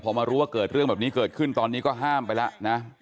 พอมารู้ว่าเกิดเรื่องแบบนี้เกิดขึ้นตอนนี้ก็ห้ามไปแล้วนะ